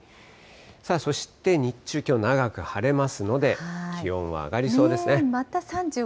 さあ、そして日中、きょう長く晴れますので、気温は上がりそうですね。